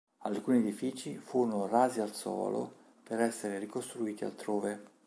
Alcuni edifici furono rasi al suolo per essere ricostruiti altrove.